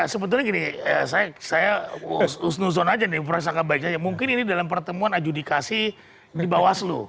sebetulnya gini saya usnusun saja mungkin ini dalam pertemuan adjudikasi di bawaslu